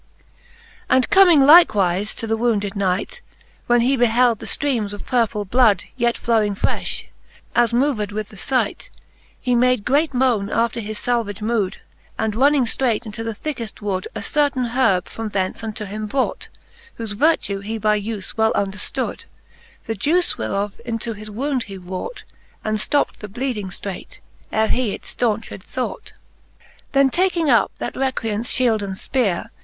And commlng like wife to the wounded knight, When he beheld the ftreames of purple blood' Yet flowing frefh, as moved with the fight, He made great mone after his falvage mood, And running ftreight into the thickeft wood, A ccrtaine herbe from thence unto him brought, Whofe vertue he by ufe well underftood: The juyce whereof into his wound he wrought, And ftopt the bleeding ftraight, ere he it ftaunched thoughtr xiir. Then taking up that Recreants fliield and fpeare.